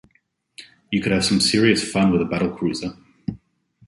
You could have some serious fun with a battle cruiser!